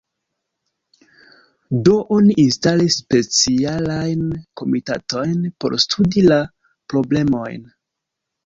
Do oni instalis specialajn komitatojn por studi la problemojn.